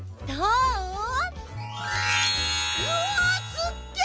うわすっげ！